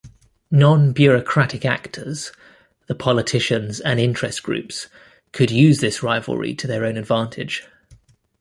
Nonbureaucratic actors-the politicians and interest groups-could use this rivalry to their own advantage.